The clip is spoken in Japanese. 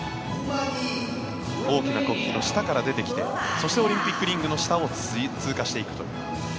大きな国旗の下から出てきてそしてオリンピックリングの下を通過していくという。